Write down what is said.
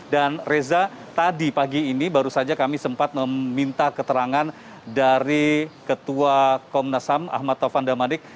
dan reza tadi pagi ini baru saja kami sempat meminta keterangan dari ketua komnas ham ahmad taufan damadik